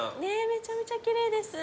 めちゃめちゃ奇麗です。